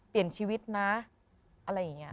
เปลี่ยนชีวิตนะอะไรอย่างนี้